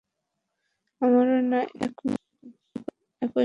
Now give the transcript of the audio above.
আমারও না একই মত!